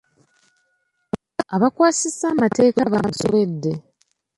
Abakwasisa emateeka bansobedde.